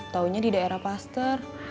taunya di daerah paster